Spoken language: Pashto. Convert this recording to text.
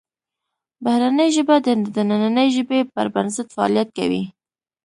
بهرنۍ ژبه د دنننۍ ژبې پر بنسټ فعالیت کوي